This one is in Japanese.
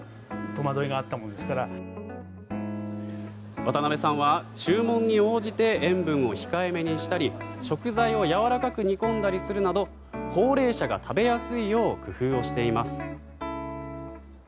渡部さんは注文に応じて塩分を控えめにしたり、食材をやわらかく煮込んだりするなど高齢者が食べやすいよう工夫をしています。